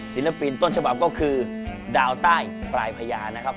ศิลปินต้นฉบับก็คือดาวใต้ปลายพญานะครับ